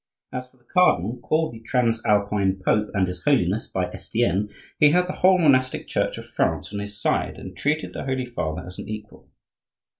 As for the cardinal, called the transalpine pope, and his Holiness, by Estienne, he had the whole monastic Church of France on his side, and treated the Holy Father as an equal.